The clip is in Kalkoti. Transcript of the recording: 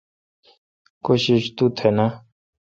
کوشش تو تھ نا۔